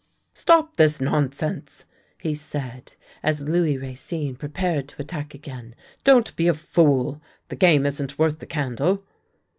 " Stop this nonsense! " he said, as Louis Racine pre pared to attack again. " Don't be a fool. The game isn't worth the candle."